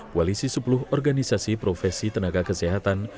koalisi sepuluh organisasi profesi tenaga kesehatan